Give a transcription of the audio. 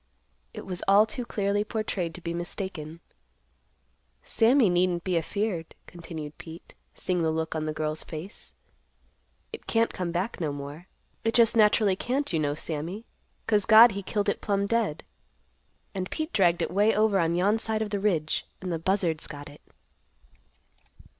It was all too clearly portrayed to be mistaken. "Sammy needn't be afeared," continued Pete, seeing the look on the girl's face. "It can't come back no more. It just naturally can't, you know, Sammy; 'cause God he killed it plumb dead. And Pete dragged it way over on yon side of the ridge and the buzzards got it."